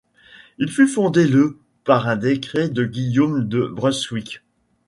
Il fut fondé le par un décret de Guillaume de Brunswick.